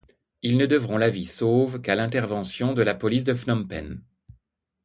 Ils ne devront la vie sauve qu’à l’intervention de la police de Phnom Penh.